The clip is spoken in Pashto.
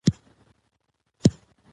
کلي د افغانستان په هره برخه کې شته.